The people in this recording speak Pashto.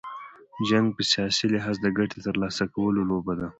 جنګ په سیاسي لحاظ، د ګټي تر لاسه کولو لوبه ده.